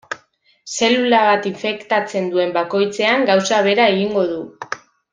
Zelula bat infektatzen duen bakoitzean gauza bera egingo du.